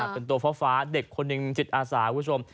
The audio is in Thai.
เป็นตัวฟ้าเด็กคนหนึ่งจิตอาสาคุณผู้ชม